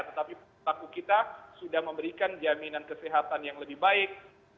tetapi pelaku kita sudah memberikan jaminan kesehatan yang lebih baik